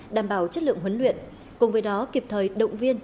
đảm bảo chất lượng huấn luyện cùng với đó kịp thời động viên